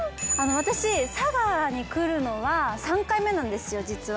私、佐賀に来るのは３回目なんですよ、実は。